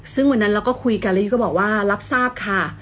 ซึ่งวันนั้นเราก็คุยกันแล้วยุก็บอกว่ารับทราบค่ะ